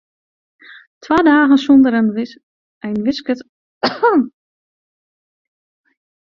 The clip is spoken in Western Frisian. Twa dagen sonder ein wisket der poeiersnie oer de wite wrâld.